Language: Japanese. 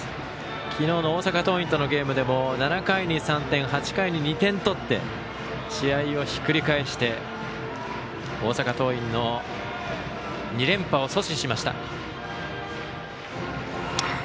昨日の大阪桐蔭とのゲームも７回に３点、８回に２点取って試合をひっくり返して大阪桐蔭の２連覇を阻止しました。